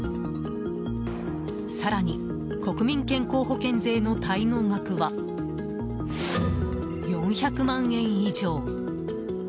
更に国民健康保険税の滞納額は４００万円以上。